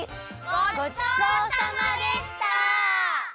ごちそうさまでした！